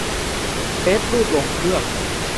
เซฟรูปลงเครื่อง